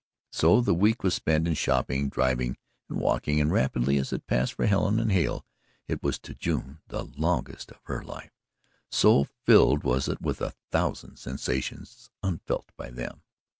So the week was spent in shopping, driving, and walking, and rapidly as it passed for Helen and Hale it was to June the longest of her life, so filled was it with a thousand sensations unfelt by them.